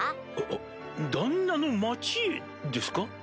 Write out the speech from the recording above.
あ旦那の町へですか？